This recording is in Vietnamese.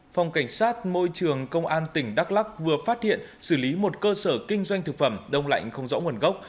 phòng cảnh sát môi trường công an tỉnh đắk lắc vừa phát hiện xử lý một cơ sở kinh doanh thực phẩm đông lạnh không rõ nguồn gốc